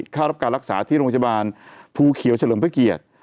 เข้ารับการรักษาที่โรงพยาบาลภูเขียวเฉลิมพระเกียรติ